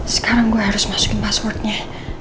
sekarang gue harus masukin passwordnya